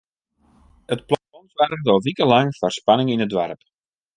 It plan soarget al wikenlang foar spanning yn it doarp.